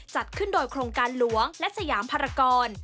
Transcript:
จัดขึ้นโดยโครงการหลวงและสยามภารกร